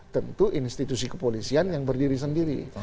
tentu institusi kepolisian yang berdiri sendiri